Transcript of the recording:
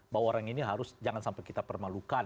bahwa orang ini harus jangan sampai kita permalukan